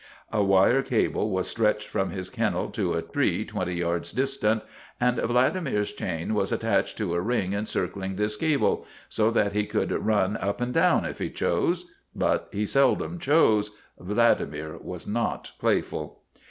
A wire cable was stretched from his kennel to a tree twenty yards distant, and Vladimir's chain was at tached to a ring encircling this cable, so that he could run up and down if he chose. But he seldom chose; Vladimir was not playful.